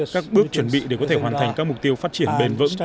các bước chuẩn bị để có thể hoàn thành các mục tiêu phát triển bền vững